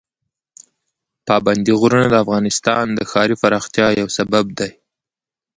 پابندي غرونه د افغانستان د ښاري پراختیا یو سبب دی.